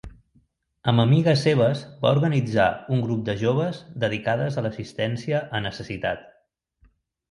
Amb amigues seves va organitzar un grup de joves dedicades a l'assistència a necessitat.